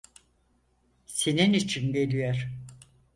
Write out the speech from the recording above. Senin için geliyor.